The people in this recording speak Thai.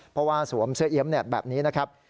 เพราะว่าสวมเสื้อเอี๊ยมแบบนี้นะครับ